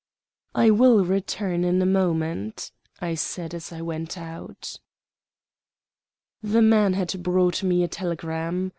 "I will return in a moment," I said as I went out. The man had brought me a telegram.